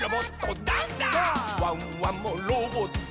「ワンワンもロボット」